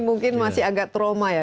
mungkin masih agak trauma ya